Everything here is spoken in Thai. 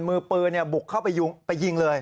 มือปืนบุกเข้าไปยิงเลย